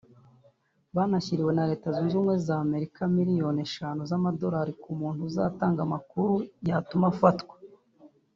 banashyiriwe na Leta Zunze Ubumwe za Amerika miliyoni eshanu z’amadolari ku muntu uzatanga amakuru yatuma bafatwa